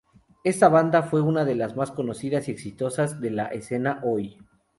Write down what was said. Esta banda fue una de las más conocidas y exitosas de la escena Oi!